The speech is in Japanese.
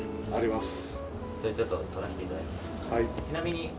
ちなみに。